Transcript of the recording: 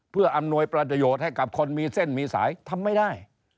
เพื่ออำนวยประโยชน์ให้กับคนมีเส้นมีสายทำไม่ได้